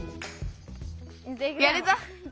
やるぞ！